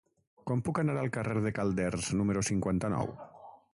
Com puc anar al carrer de Calders número cinquanta-nou?